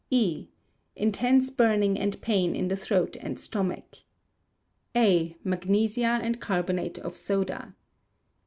E. Intense burning and pain in the throat and stomach. A. Magnesia and carbonate of soda.